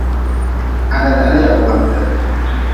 Ha dadahli yagwante.